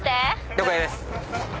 了解です。